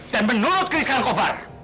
dan menurut keris kalangkobar